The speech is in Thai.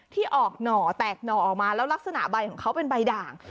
ที่ออกหน่อแตกหน่อออกมาแล้วลักษณะใบของเขาเป็นใบด่าง